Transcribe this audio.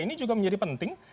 ini juga menjadi penting